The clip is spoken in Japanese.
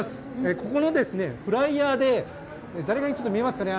ここのフライヤーでザリガニ、見えますかね？